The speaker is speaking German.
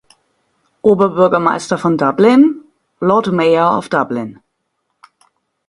Oberbürgermeister von Dublin ("Lord Mayor of Dublin").